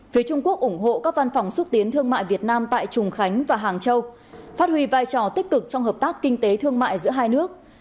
phía trung quốc ủng hộ các văn phòng xúc tiến thương mại việt nam tại trùng khánh và hàng châu phát huy vai trò tích cực trong hợp tác kinh tế thương mại giữa hai nước